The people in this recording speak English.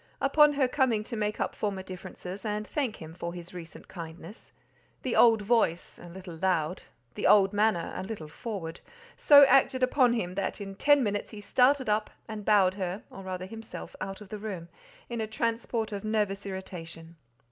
Upon her coming to make up former differences, and thank him for his recent kindness, the old voice—a little loud—the old manner—a little forward—so acted upon him that in ten minutes he started up and bowed her, or rather himself, out of the room, in a transport of nervous irritation.